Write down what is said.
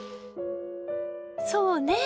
そうね！